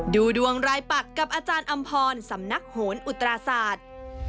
ดูดวงรายปักกับอาจารย์อำพรสำนักโหนอุตราศาสตร์